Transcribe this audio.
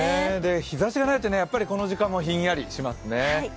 日ざしがないとこの時間もひんやりしますね。